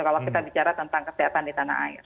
kalau kita bicara tentang kesehatan di tanah air